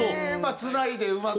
つないでうまく